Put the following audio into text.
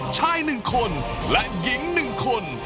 ชายหนึ่งคนและหญิงหนึ่งคน